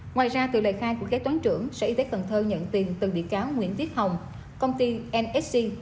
ngoài ra từ lời khai của khế toán trưởng sở y tế cần thơ nhận tin từ bị cáo nguyễn tiết hồng công ty nsc